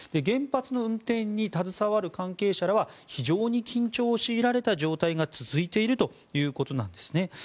原発の運転に携わる関係者らは非常に緊張を強いられた状態が続いているということなんですね。